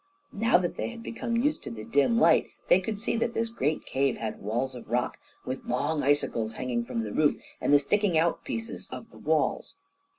Now that they had become used to the dim light, they could see that this great cave had walls of rock, with long icicles hanging from the roof and the sticking out pieces of the walls.